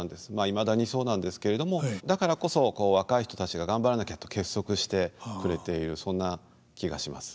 いまだにそうなんですけれどもだからこそ若い人たちが頑張らなきゃと結束してくれているそんな気がします。